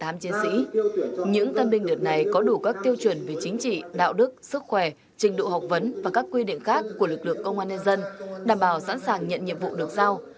trong chiến sĩ những tân binh đợt này có đủ các tiêu chuẩn về chính trị đạo đức sức khỏe trình độ học vấn và các quy định khác của lực lượng công an nhân dân đảm bảo sẵn sàng nhận nhiệm vụ được giao